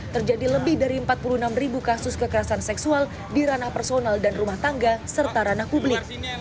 terjadi lebih dari empat puluh enam ribu kasus kekerasan seksual di ranah personal dan rumah tangga serta ranah publik